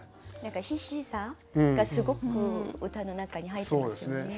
何か必死さ？がすごく歌の中に入ってますよね。